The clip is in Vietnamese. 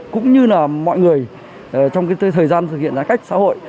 cũng như là mọi người trong thời gian thực hiện giãn cách xã hội